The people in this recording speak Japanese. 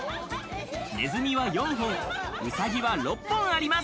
ネズミは４本、ウサギは６本あります。